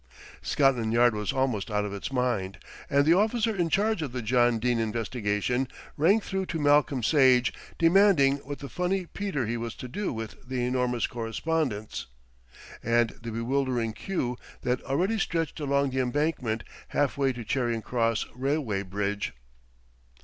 Scotland Yard was almost out of its mind, and the officer in charge of the John Dene investigation rang through to Malcolm Sage, demanding what the funny peter he was to do with the enormous correspondence, and the bewildering queue that already stretched along the Embankment halfway to Charing Cross railway bridge.